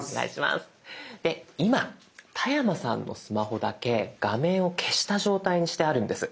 で今田山さんのスマホだけ画面を消した状態にしてあるんです。